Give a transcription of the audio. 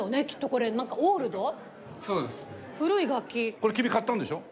これ君買ったんでしょ？